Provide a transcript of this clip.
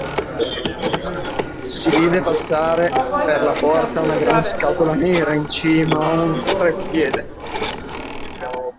Si vide passare per la porta una gran scatola nera in cima a un treppiede.